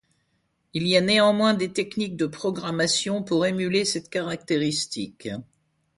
Il y a néanmoins des techniques de programmation pour émuler cette caractéristique.